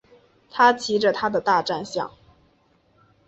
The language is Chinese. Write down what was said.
他骑着他的大战象。